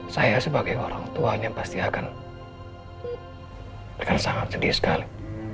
saya sebagai orang tuanya pasti akan sangat sedih sekali